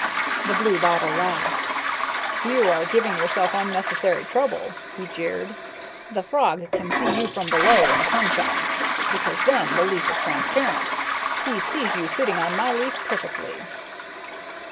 The blue bottle laughed. "You are giving yourself unnecessary trouble," he jeered. "The frog can see you from below when the sun shines, because then the leaf is transparent. He sees you sitting on my leaf, perfectly."